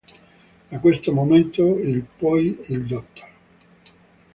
Da questo momento il poi il Dottor.